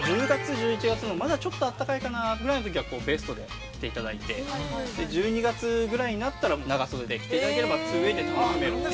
◆１０月、１１月のまだちょっと暖かいかなぐらいのときはベストで着ていただいて、１２月ぐらいになったら、長袖で着ていただければ、２ウェイで楽しめる。